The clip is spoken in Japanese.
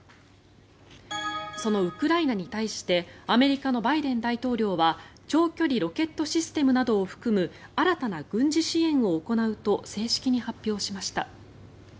そのウクライナに対してアメリカのバイデン大統領は長距離ロケットシステムなどを含む、新たな軍事支援を行うと正式に発表しました。